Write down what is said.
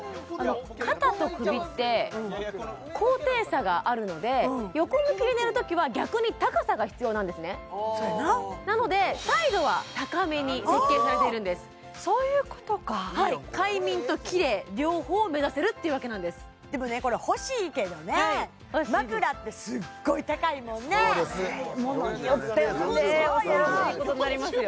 肩と首って高低差があるので横向きに寝るときは逆に高さが必要なんですねなのでサイドは高めに設計されているんですそういうことかはい快眠とキレイ両方目指せるっていうわけなんですでもねこれ欲しいけどね枕ってすっごい高いもんねねえ物によってはね恐ろしいことになりますよ